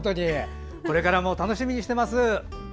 これからも楽しみにしています。